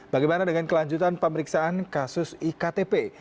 bagaimana dengan kelanjutan pemeriksaan kasus iktp